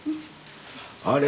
あれ。